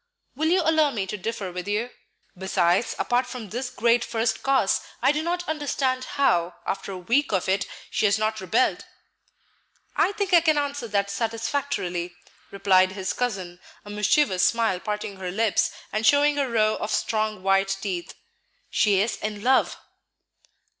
"Will you allow me to differ with you? Besides, apart from this great first cause, I do not understand how, after a week of it, she has not rebelled." "I think I can answer that satisfactorily," replied his cousin, a mischievous smile parting her lips and showing a row of strong white teeth; "she is in love."